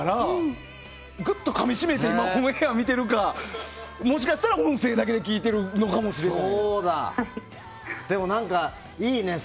グッとかみしめて今オンエアを見ているかもしかしたら音声だけで聞いているのかもしれない。